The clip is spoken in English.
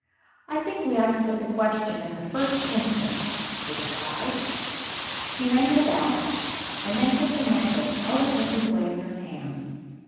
"I think we ought to put the question, in the first instance, to the bride?" He rang the bell, and then took the necklace out of Mrs. Wagner's hands.